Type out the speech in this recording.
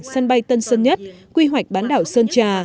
sân bay tân sơn nhất quy hoạch bán đảo sơn trà